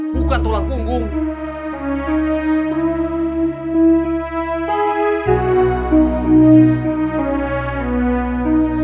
bukan tolak punggung